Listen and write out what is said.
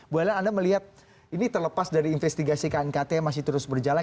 bu ellen anda melihat ini terlepas dari investigasi knkt yang masih terus berjalan